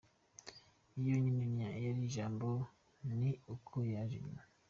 Iyo ngira ntya yari ijambo ni uko yaje nyuma.